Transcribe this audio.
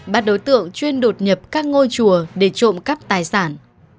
bắt đối tượng chuyên đột nhập các ngôi chùa để trộm cắp tài sản